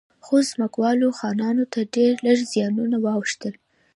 خو ځمکوالو خانانو ته ډېر لږ زیانونه واوښتل.